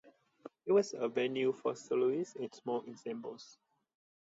It was a venue for soloists and small ensembles.